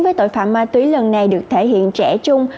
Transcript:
với tội phạm ma túy lần này được thể hiện trẻ chung